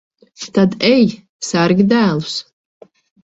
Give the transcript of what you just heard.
Tad ej, sargi dēlus.